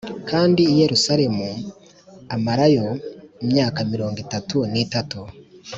kandi i Yerusalemu amarayo imyaka mirongo itatu n’itatu